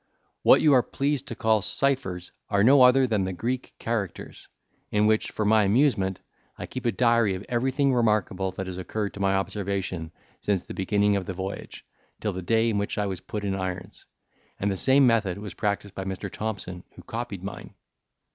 "What you are pleased to call ciphers, are no other than the Greek characters, in which, for my amusement, I keep a diary of everything remarkable that has occurred to my observation since the beginning of the voyage, till the day in which I was put in irons; and the same method was practised by Mr. Thompson, who copied mine."